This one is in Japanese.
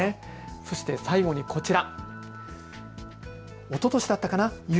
そして最後にこちら。